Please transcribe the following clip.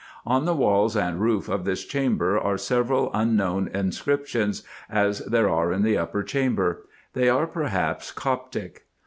On the walls and roof of this chamber are several unknown inscriptions, as there are in the upper chamber. They are perhaps Coptic.